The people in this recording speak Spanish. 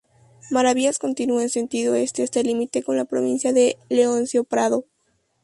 Maravillas continua en sentido este, hasta el límite con la provincia de Leoncio Prado.